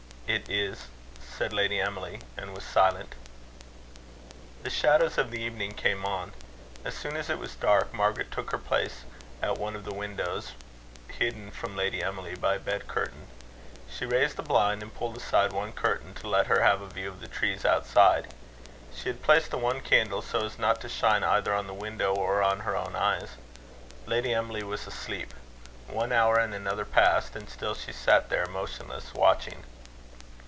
"It is," said Lady Emily, and was silent. The shadows of evening came on. As soon as it was dark, Margaret took her place at one of the windows hidden from Lady Emily by a bed curtain. She raised the blind, and pulled aside one curtain, to let her have a view of the trees outside. She had placed the one candle so as not to shine either on the window or on her own eyes. Lady Emily was asleep. One hour and another passed, and still she sat there motionless, watching.